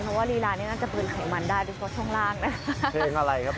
เพราะว่าลีลานี่น่าจะปืนไขมันได้โดยเฉพาะช่องล่างนะเพลงอะไรครับ